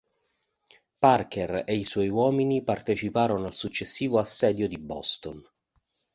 Parker ed i suoi uomini parteciparono al successivo assedio di Boston.